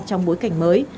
trong bối cảnh mới